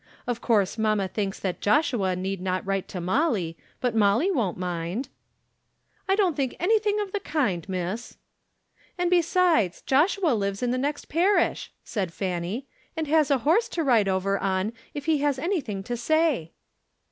Of course mamma thinks that Joshua need not write to Molly, but Molly won't mind." "I don't think anything of the kind, miss." "And besides, Joshua lives in the next parish," said Fanny, "and has a horse to ride over on if he has anything to say."